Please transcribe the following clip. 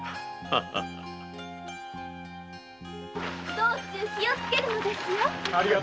道中気をつけるのですよ。